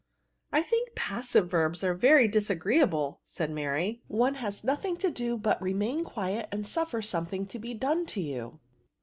« I think passive rerbs are veiy disagree able," said Mary; "one has nothing to do but remain quiet, and suffer something to be done to you."